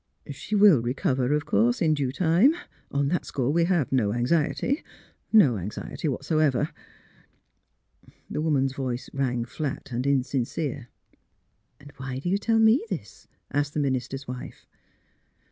She will recover, of course, in due time. On that score we have no anxiety — no anxiety whatever." The woman's voice rang flat and insincere. *' Why do you tell me this? " asked the min ister's wife.